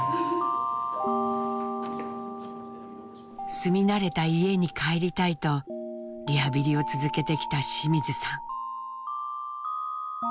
住み慣れた家に帰りたいとリハビリを続けてきた清水さん。